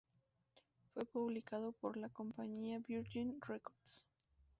Fue publicado por la compañía "Virgin Records".